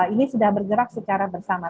ini sudah bergerak secara bersama